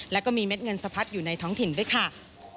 แล้วก็มีเม็ดเงินสะพัดอยู่ในท้องถิ่นด้วยค่ะ